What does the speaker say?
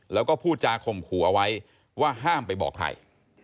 แล้วก็พูดจาข่มขู่เอาไว้ว่าห้ามไปบอกใคร